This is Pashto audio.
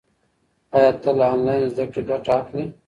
آیا ته له انلاین زده کړې ګټه اخلې؟